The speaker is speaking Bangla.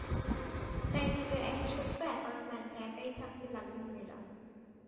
প্যারিসে এক ছোট্ট অ্যাপার্টমেন্ট একাই থাকতে লাগলেন মীরা।